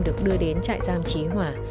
được đưa đến trại giam chí hòa